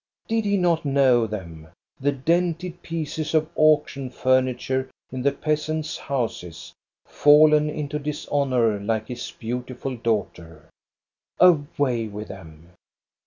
Did he not know them, the dented pieces of auction furniture in the peasants' houses, fallen into dishonor like his beautiful daughter? Away with them!